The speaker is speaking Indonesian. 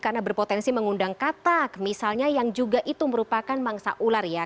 karena berpotensi mengundang katak misalnya yang juga itu merupakan mangsa ular ya